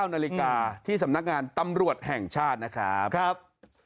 ๙นาฬิกาที่สำนักงานตำรวจแห่งชาตินะครับ